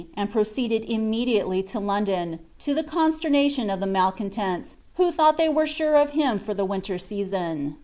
ami proceeded inimediaiely to London, to Iw emuiemation of the luaj contents, who thought they were sure of Um for Ihe winter season.